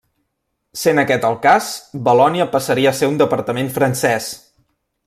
Sent aquest el cas, Valònia passaria a ser un departament francès.